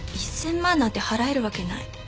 １０００万なんて払えるわけない。